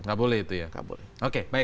nggak boleh itu ya